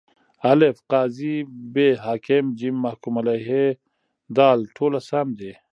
الف: قاضي ب: حاکم ج: محکوم علیه د: ټوله سم دي.